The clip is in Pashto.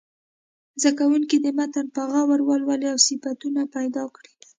زده کوونکي دې متن په غور ولولي او صفتونه پیدا کړي.